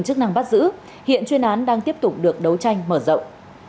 chức năng bắt giữ hiện chuyên án đang tiếp tục được đấu tranh mở rộng